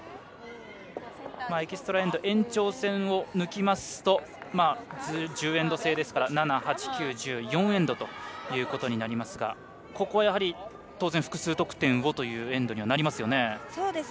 エキストラ・エンド延長戦を抜きますと１０エンド制ですから残り４エンドとなりますがここは当然、複数得点をというエンドにはなりますよね。